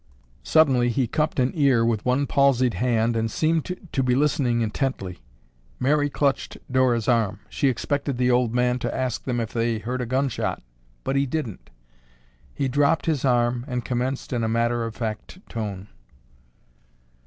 Suddenly he cupped an ear with one palsied hand and seemed to be listening intently. Mary clutched Dora's arm. She expected the old man to ask them if they heard a gun shot, but he didn't. He dropped his arm and commenced in a matter of fact tone.